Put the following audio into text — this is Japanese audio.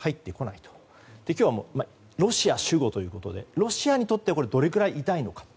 今日はロシアが主だということでロシアにとってどれくらい痛いのか。